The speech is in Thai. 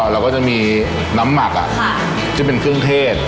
เราก็จะมีน้ำหมักที่เป็นเครื่องเทศ